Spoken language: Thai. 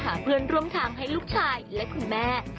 เพื่อนร่วมทางให้ลูกชายและคุณแม่